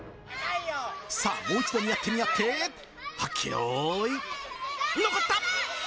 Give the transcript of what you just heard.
さあ、もう一度見合って見合って。はっけよーい、残った。